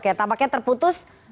oke tampaknya terputus